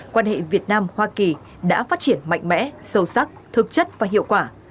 quan hệ việt nam hoa kỳ đã phát triển mạnh mẽ sâu sắc thực chất và hiệu quả